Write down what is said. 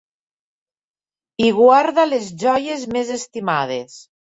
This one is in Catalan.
Hi guarda les joies més estimades.